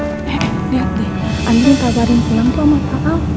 eh liat deh andin kagarin pulang tuh sama pak al